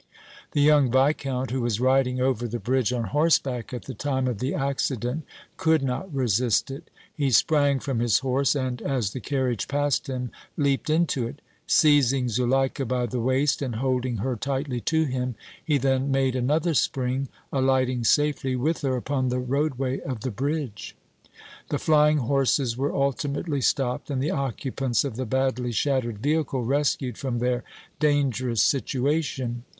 The young Viscount, who was riding over the bridge on horseback at the time of the accident, could not resist it. He sprang from his horse and, as the carriage passed him, leaped into it. Seizing Zuleika by the waist, and holding her tightly to him, he then made another spring, alighting safely with her upon the roadway of the bridge. The flying horses were ultimately stopped and the occupants of the badly shattered vehicle rescued from their dangerous situation.